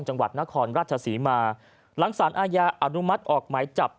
จังหวัดนครราชศรีมาหลังสารอาญาอนุมัติออกหมายจับ